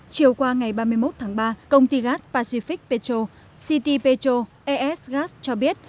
chiều qua ngày ba mươi một tháng ba công ty gas pacific petro city petro es gas cho biết